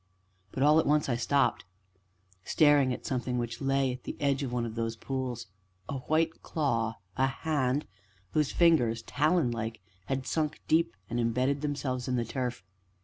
But all at once I stopped staring at something which lay at the edge of one of these pools a white claw a hand whose fingers, talon like, had sunk deep and embedded themselves in the turf.